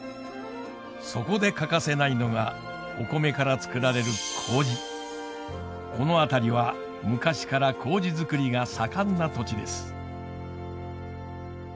そこで欠かせないのがお米から造られるこの辺りは昔から麹造りが盛んな土地です。